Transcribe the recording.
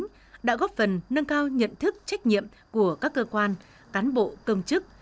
công tác cải cách hành chính đã góp phần nâng cao nhận thức trách nhiệm của các cơ quan cán bộ công chức